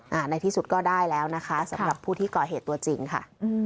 ในที่สุดก็ได้แล้วนะคะสำหรับผู้ที่ก่อเหตุตัวจริงค่ะอืม